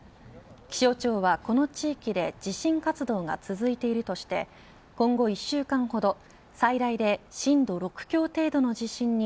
気象庁はこの地域で地震活動が続いているとして今後１週間ほど最大で震度６強程度の地震に